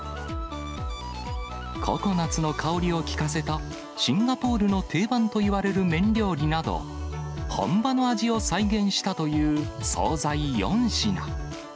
ココナッツの香りを効かせた、シンガポールの定番といわれる麺料理など、本場の味を再現したという総菜４品。